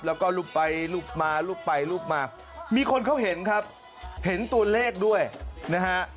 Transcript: แล้วก็ลุบไปลุบมาลุบไปลุบมามีคนเขาเห็นครับเห็นตัวเลขด้วยนะฮะ